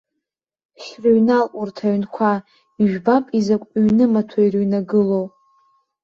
Шәрыҩнал урҭ аҩнқәа, ижәбап изакә ҩнымаҭәоу ирыҩнагылоу.